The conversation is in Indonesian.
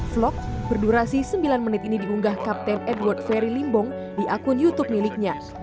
vlog berdurasi sembilan menit ini diunggah kapten edward ferry limbong di akun youtube miliknya